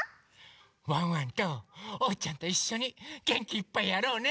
ワンワンとおうちゃんといっしょにげんきいっぱいやろうね。